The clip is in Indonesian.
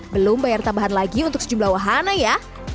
belum bayar tambahan lagi untuk sejumlah wahana ya